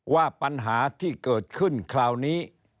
ว่าปัญหาที่เกิดขึ้นคราวนี้